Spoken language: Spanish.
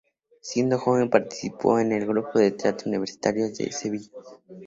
Siendo joven participó en el Grupo de Teatro Universitario de Sevilla.